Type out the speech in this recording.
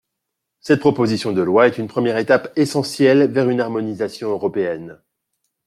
Cette proposition de loi est une première étape essentielle vers une harmonisation européenne.